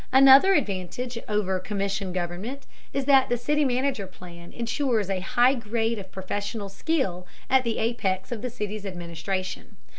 Another advantage over commission government is that the city manager plan insures a high grade of professional skill at the apex of the city's administration.